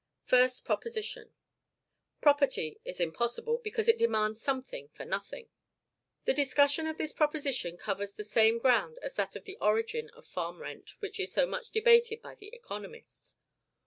FIRST PROPOSITION. Property is impossible, because it demands Something for Nothing. The discussion of this proposition covers the same ground as that of the origin of farm rent, which is so much debated by the economists.